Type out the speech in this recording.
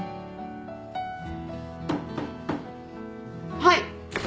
・はい。